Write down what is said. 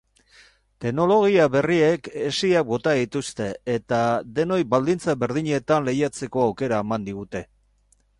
Teknologia berriek hesiak bota dituzte eta denoi baldintza berdinetan lehiatzeko aukera eman digute.